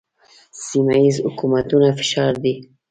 سیمه ییزو حکومتونو فشار دی.